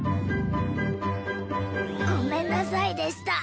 ごめんなさいでした